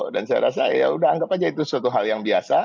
dan saya rasa ya udah anggap aja itu suatu hal yang biasa